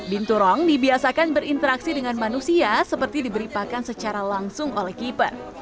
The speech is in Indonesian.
binturong dibiasakan berinteraksi dengan manusia seperti diberi pakan secara langsung oleh keeper